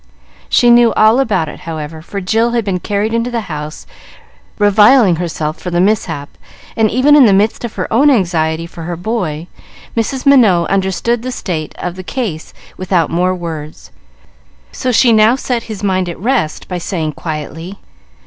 She knew all about it, however, for Jill had been carried into the house reviling herself for the mishap, and even in the midst of her own anxiety for her boy, Mrs. Minot understood the state of the case without more words. So she now set his mind at rest by saying, quietly.